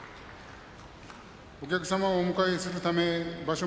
お客様をお迎えするため場所